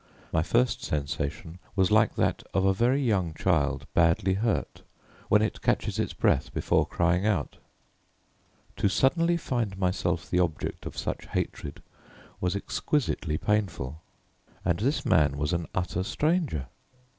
My first sensation was like that of a very young child badly hurt, when it catches its breath before crying out. To suddenly find myself the object of such hatred was exquisitely painful: and this man was an utter stranger.